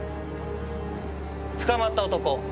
捕まった男誰だ？